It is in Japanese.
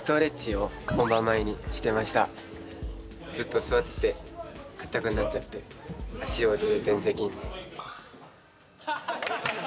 ずっと座ってて硬くなっちゃって脚を重点的に。